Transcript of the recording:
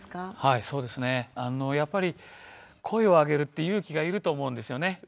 やっぱり声をあげるって勇気がいると思うんですよね。